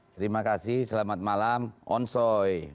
terima kasih selamat malam onsoy